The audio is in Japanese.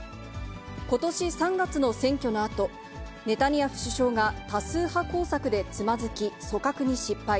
ことし３月の選挙のあと、ネタニヤフ首相が多数派工作でつまずき、組閣に失敗。